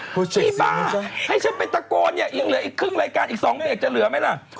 ให้ฉันไปตะโกนเนี่ยยังเหลืออีกครึ่งรายการอีก๒เบรกจะเหลือไหมล่ะ